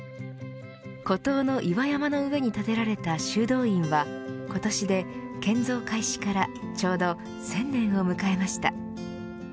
孤島の岩山の上に建てられた修道院は今年で、建造開始からちょうど１０００年を迎えました。